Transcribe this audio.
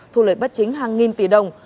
thu lợi bắt chính hàng nghìn tỷ đồng